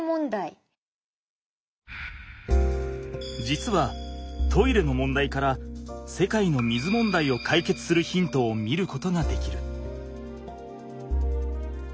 実はトイレの問題から世界の水問題を解決するヒントを見ることができる。